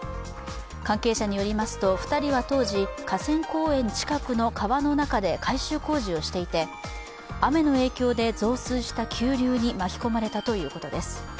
関係者によりますと、２人は当時、河川公園近くの川の中で改修工事をしていて、雨の影響で増水した急流に巻き込まれたということです。